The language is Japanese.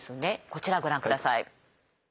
こちらご覧下さい。